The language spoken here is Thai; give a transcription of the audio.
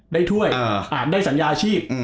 ได้ถ้วยอ่านได้สัญญาชีพ